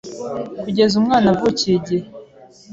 kugeza umwana avukiye igihe